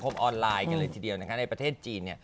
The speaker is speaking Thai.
มันชิน